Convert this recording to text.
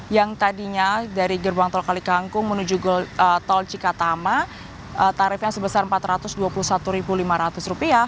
yang tadinya dari gerbang tol kalikangkung menuju tol cikatama tarifnya sebesar rp empat ratus dua puluh satu lima ratus